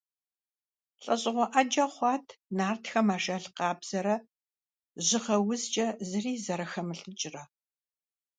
ЛӀэщӀыгъуэ Ӏэджэ хъуат нартхэм ажал къабзэрэ жьыгъэ узкӀэ зыри зэрахэмылӀыкӀрэ.